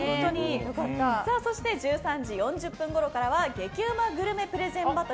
そして１３時４０分ごろからは激ウマグルメプレゼンバトル！